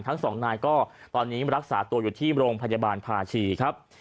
ทั้งสองนายก็ตอนนี้รักษาตัวอยู่ที่โรงพยาบาลภาชีครับ